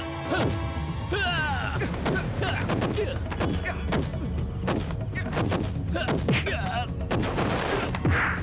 kamu menganggap suami saya hati hati